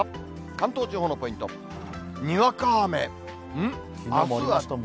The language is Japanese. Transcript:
関東地方のポイント、にわか雨。